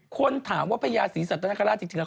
คนถามว่าพระยาศีสัตว์นักฮาราชจริงแล้ว